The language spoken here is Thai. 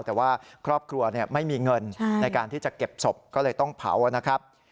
แต่ว่าครอบครัวไม่มีเงินในการที่จะเก็บศพก็เลยต้องเผานะครับ